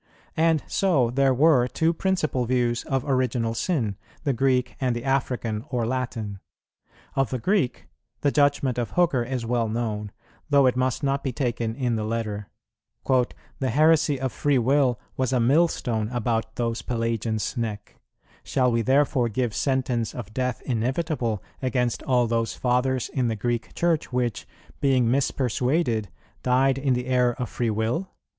And so there were two principal views of Original Sin, the Greek and the African or Latin. Of the Greek, the judgment of Hooker is well known, though it must not be taken in the letter: "The heresy of freewill was a millstone about those Pelagians' neck; shall we therefore give sentence of death inevitable against all those Fathers in the Greek Church which, being mispersuaded, died in the error of freewill?"